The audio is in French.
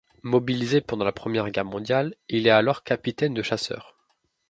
Mobilisé pendant la Première Guerre mondiale, il est alors capitaine de chasseurs.